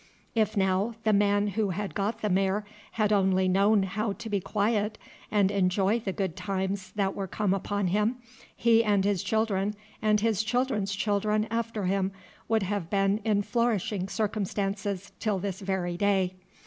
If now the man who had got the mare had only known how to be quiet and enjoy the good times that were come upon him, he and his children and his children's children after him would have been in flourishing circumstances till this very day.